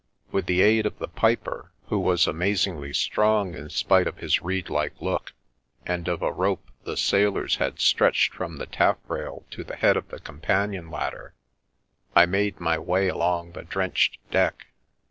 With the aid of the piper, who was amazingly strong in spite of his reed like look, and of a rope the sailors had stretched from the taffrail to the head of the companion ladder, I made my way along the drenched deck.